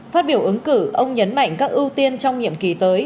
phát biểu ứng cử ông nhấn mạnh các ưu tiên trong nhiệm kỳ tới